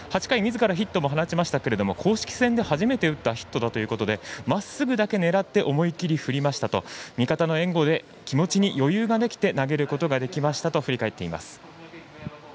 ８回、みずからヒットも放ちましたが、公式戦で初めて打ったヒットだということでまっすぐだけ狙って思い切り振りましたと味方の援護で気持ちに余裕ができて投げることができましたと振り返っています。